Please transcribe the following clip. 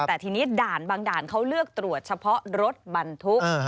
แต่ทีนี้ด่านบางด่านเขาเลือกตรวจเฉพาะรถบรรทุก